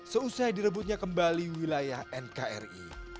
seusai direbutnya kembali wilayah nkri